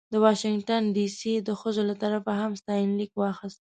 د واشنګټن ډې سي د ښځو له طرفه هم ستاینلیک واخیست.